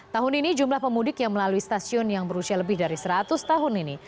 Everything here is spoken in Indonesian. tahun ini jumlah pemudik yang melalui stasiun yang berusia lebih dari seratus tahun ini